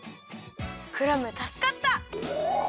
クラムたすかった！